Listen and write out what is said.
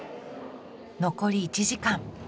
残り１時間。